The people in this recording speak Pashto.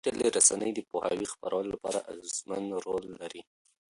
ډيجيټلي رسنۍ د پوهاوي خپرولو لپاره اغېزمن رول لري.